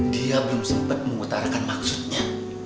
dia belum sempat mengutarakan maksudnya